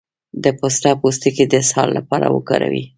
د پسته پوستکی د اسهال لپاره وکاروئ